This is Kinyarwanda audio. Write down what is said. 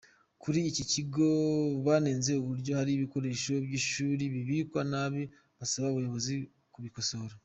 Kuri iki kigo, banenze uburyo hari ibikoresho by’ishuri bibikwa nabi, basaba ubuyobozi kubikosora.